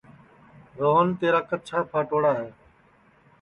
روہن تیرا کچھا پھاٹوڑا ہے